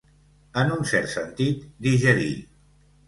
En un cert sentit, digerir.